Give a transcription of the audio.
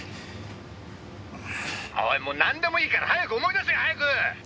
「おいもう何でもいいから早く思い出せ！早く！」